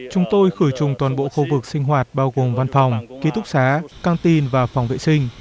chúng tôi khử trùng toàn bộ khu vực sinh hoạt bao gồm văn phòng ký túc xá cantein và phòng vệ sinh